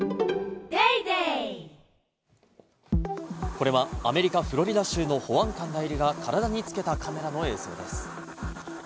これはアメリカ・フロリダ州の保安官代理が体につけたカメラの映像です。